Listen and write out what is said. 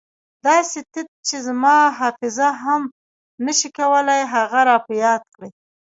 داسې تت چې زما حافظه هم نه شي کولای هغه را په یاد کړي.